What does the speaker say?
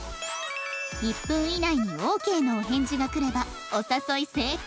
１分以内にオーケーのお返事が来ればお誘い成功